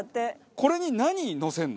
これに何のせるの？